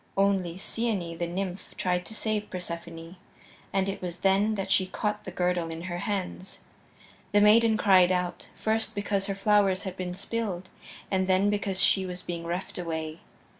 Only Cyane, the nymph, tried to save Persephone, and it was then that she caught the girdle in her hands. The maiden cried out, first because her flowers had been spilled, and then because she was being reft away.